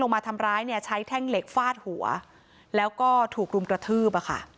มาทำร้ายใช้แท่งเหล็กฟาดหัวแล้วก็ถูกกลุ่มกระทืบ